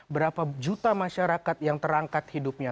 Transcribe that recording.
berapa juta masyarakat yang terangkat hidupnya